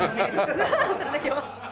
それだけは。